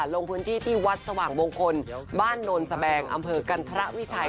ลงพื้นที่ที่วัดสว่างมงคลบ้านโนนสแบงอำเภอกันทรวิชัย